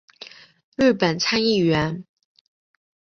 日本参议院议员。